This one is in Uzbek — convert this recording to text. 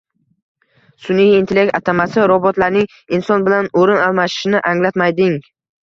Sun’iy intellekt atamasi robotlarning inson bilan o‘rin almashishini anglatmayding